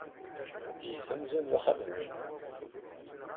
Get amzun d axxam-nwen.